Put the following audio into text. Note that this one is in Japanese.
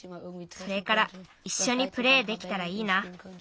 それからいっしょにプレーできたらいいな。